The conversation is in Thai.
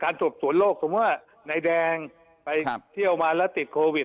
สอบสวนโลกสมมุติว่านายแดงไปเที่ยวมาแล้วติดโควิด